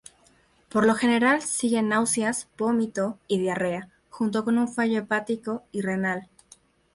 Por lo general, siguen náuseas, vómitos, y diarrea, junto con fallo hepático y renal.